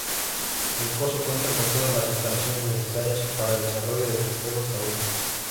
El coso cuenta con todas las instalaciones necesarias para el desarrollo de festejos taurinos.